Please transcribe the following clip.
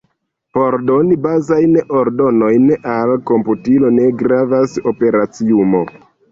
Por doni bazajn ordonojn al komputilo, ne gravas la operaciumo.